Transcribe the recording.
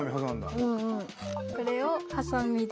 これをハサミで。